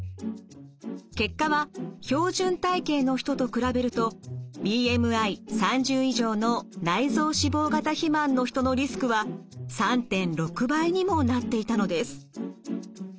結果は標準体型の人と比べるとＢＭＩ３０以上の内臓脂肪型肥満の人のリスクは３．６倍にもなっていたのです。